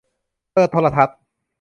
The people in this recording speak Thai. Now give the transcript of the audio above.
เปิดโทรทัศน์